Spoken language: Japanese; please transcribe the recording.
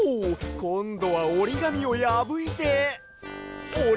こんどはおりがみをやぶいておりはじめたぞ。